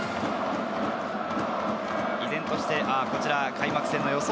依然として、こちら開幕戦の予想